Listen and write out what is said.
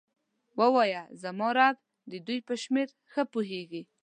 ووایه زما رب د دوی په شمیر ښه پوهیږي.